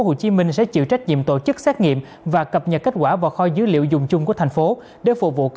các hội hợp thực hiện xét nghiệm cho đồ vô shipper